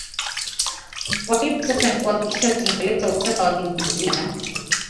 Kwa hivi sasa ni kuhakikisha tunaleta usawa wa kijinsia